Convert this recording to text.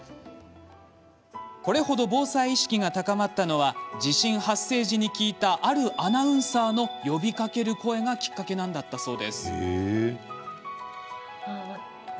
これ程、防災意識が高まったのは地震発生時に聞いたあるアナウンサーの呼びかける声がきっかけなんだそう。